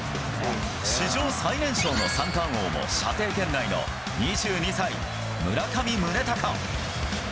史上最年少の三冠王も射程圏内の２２歳、村上宗隆。